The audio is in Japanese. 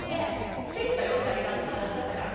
スリッパ用意してあげたんですはだしだったから。